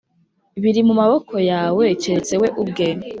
biri mu maboko yawe, keretse we ubwe